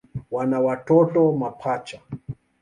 Wana watoto mapacha.